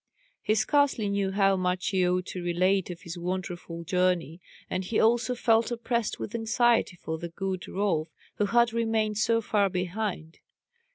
He scarcely knew how much he ought to relate of his wonderful journey, and he also felt oppressed with anxiety for the good Rolf, who had remained so far behind.